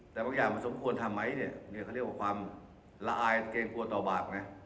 แต่บางอย่างมันสมควรทำไหมเนี่ยเขาเรียกว่าความละอายเกรงกลัวต่อบาปไง